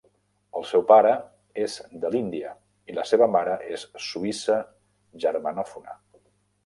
El seu pare és de l'Índia i la seva mare és suïssa germanòfona.